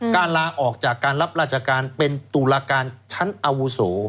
ลาออกจากการรับราชการเป็นตุลาการชั้นอาวุโส